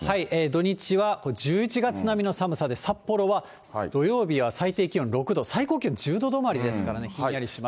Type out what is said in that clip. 土日はこれ、１１月並みの寒さで、札幌は土曜日は最低気温６度、最高気温１０度止まりですからね、ひんやりします。